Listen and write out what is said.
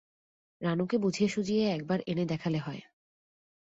রানুকে বুঝিয়েসুঝিয়ে এক বার এনে দেখালে হয়।